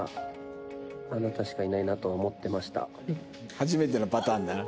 初めてのパターンだな。